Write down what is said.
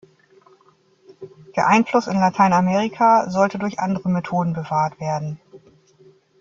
Der Einfluss in Lateinamerika sollte durch andere Methoden bewahrt werden.